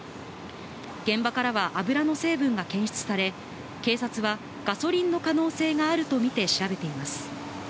現場からは油の成分が検出され、警察は、ガソリンの可能性もあるとみて調べています。